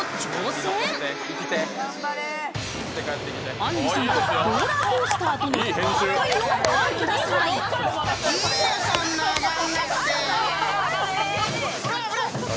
あんりさんとローラーコースターとの戦いを御覧ください。